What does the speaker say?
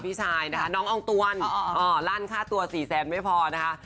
พี่ชายนะคะน้องอองตวนลั่นค่าตัว๔แสนไม่พอนะคะ